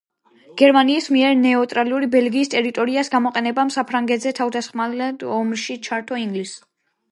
გერმანიის მიერ ნეიტრალური ბელგიის ტერიტორიის გამოყენებამ საფრანგეთზე თავდასასხმელად ომში ჩართო ინგლისი.